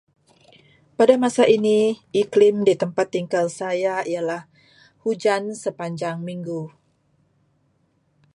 Pada masa ini, iklim di tempat tinggal saya ialah hujan sepanjang minggu.